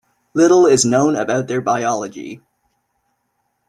Little is known about their biology.